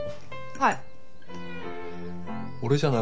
はい。